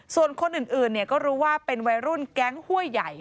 ส่วนคนอื่นก็รู้ว่าเป็นวัยรุ่นแก๊งห้วยใหญ่